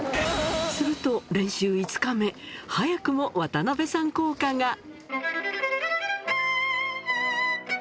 すると練習５日目、早くも渡邉さん効果が。